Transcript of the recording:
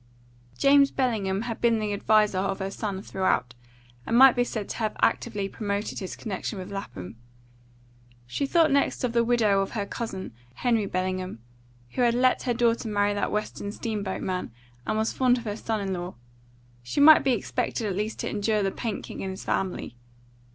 James Bellingham had been the adviser of her son throughout, and might be said to have actively promoted his connection with Lapham. She thought next of the widow of her cousin, Henry Bellingham, who had let her daughter marry that Western steamboat man, and was fond of her son in law; she might be expected at least to endure the paint king and his family.